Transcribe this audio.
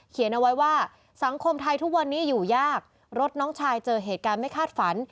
เอาไว้ว่าสังคมไทยทุกวันนี้อยู่ยากรถน้องชายเจอเหตุการณ์ไม่คาดฝัน